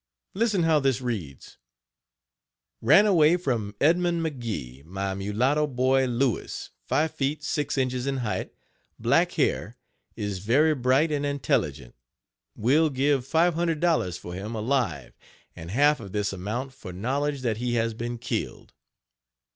Listen how this reads:" "Ran away from Edmund McGee, my mulatto boy Louis, 5 feet 6 inches in height, black hair, is very bright and Page 82 intelligent. Will give $500 for him alive, and half of this amount for knowledge that he has been killed."